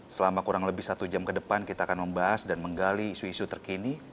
selama kurang lebih satu jam ke depan kita akan membahas dan menggali isu isu terkini